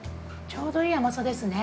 ちょうどいい甘さですね。